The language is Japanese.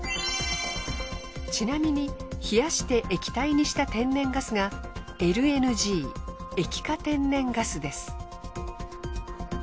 ちなみに冷やして液体にした天然ガスがＬＮＧ液化天然ガスです。